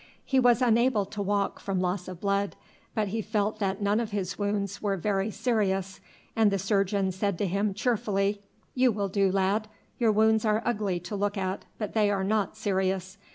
He was unable to walk from loss of blood, but he felt that none of his wounds were very serious; and the surgeon said to him cheerfully, "You will do, lad. Your wounds are ugly to look at, but they are not serious.